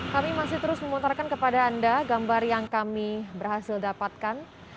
kami masih terus memutarkan kepada anda gambar yang kami berhasil dapatkan